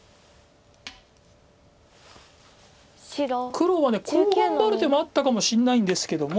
黒はこう頑張る手もあったかもしれないんですけども。